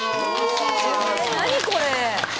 何これ！